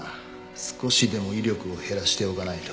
少しでも威力を減らしておかないと。